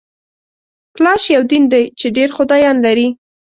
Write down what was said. کلاش یو دین دی چي ډېر خدایان لري